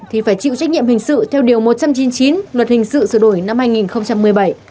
thì phải chịu trách nhiệm hình sự theo điều một trăm chín mươi chín luật hình sự sửa đổi năm hai nghìn một mươi bảy